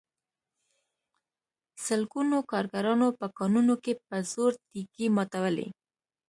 سلګونو کارګرانو په کانونو کې په زور تېږې ماتولې